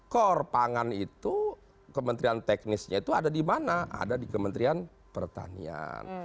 core pangan itu kementerian teknisnya itu ada di mana ada di kementerian pertanian